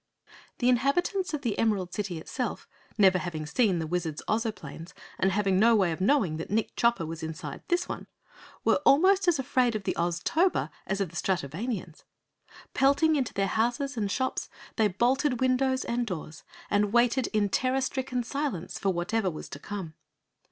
The inhabitants of the Emerald City itself, never having seen the Wizard's Ozoplanes and having no way of knowing that Nick Chopper was inside this one, were almost as afraid of the Oztober as of the Stratovanians. Pelting into their houses and shops, they bolted windows and doors and waited in terror stricken silence for whatever was to come.